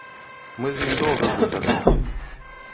Мы з ім доўга гутарылі.